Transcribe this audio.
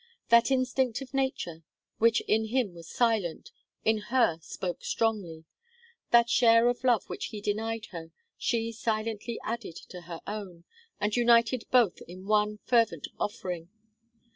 That instinct of nature, which in him was silent, in her spoke strongly. That share of love which he denied her, she silently added to her own, and united both in one fervent offering.